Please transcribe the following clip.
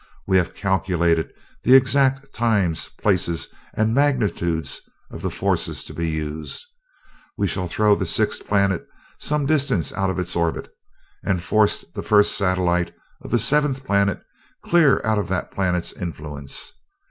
We have calculated the exact times, places, and magnitudes of the forces to be used. We shall throw the sixth planet some distance out of its orbit, and force the first satellite of the seventh planet clear out of that planet's influence.